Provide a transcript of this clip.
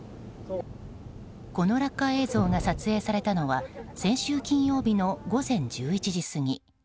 この落下映像が撮影されたのは先週金曜日の午前１１時過ぎ。